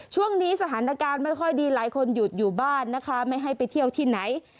ช่วงนี้สถานการณ์ไม่ค่อยดีหลายคนหยุดอยู่บ้านนะคะไม่ให้ไปเที่ยวที่ไหน